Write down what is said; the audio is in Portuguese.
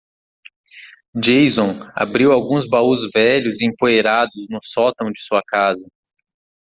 Jason abriu alguns baús velhos e empoeirados no sótão de sua casa.